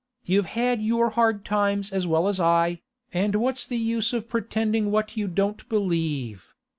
You've had your hard times as well as I, and what's the use of pretending what you don't believe?